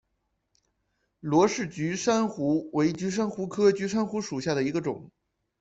罗氏菊珊瑚为菊珊瑚科菊珊瑚属下的一个种。